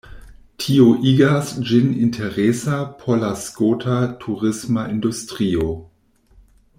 Tio igas ĝin interesa por la skota turisma industrio.